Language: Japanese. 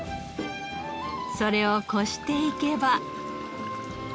それをこしていけば。